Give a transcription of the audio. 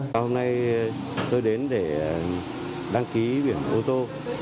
sau hôm nay tôi đến để đăng ký biển ô tô